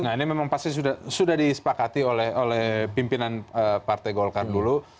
nah ini memang pasti sudah disepakati oleh pimpinan partai golkar dulu